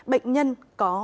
bệnh nhân có